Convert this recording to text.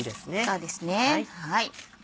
そうですね。